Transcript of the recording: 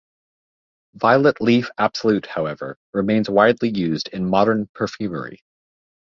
Violet leaf absolute, however, remains widely used in modern perfumery.